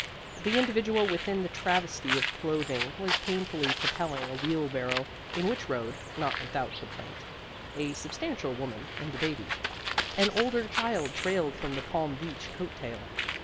The individual within this travesty of clothing was painfully propelling a wheelbarrow, in which rode (not without complaint) a substantial woman and a baby. An older child trailed from the Palm Beach coat tail.